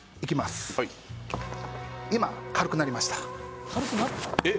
今、軽くなりました。